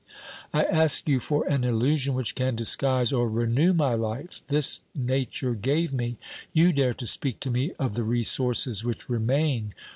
I ask you for an illusion which can disguise or renew my life ; this Nature gave me. You dare to speak to me of the resources which remain.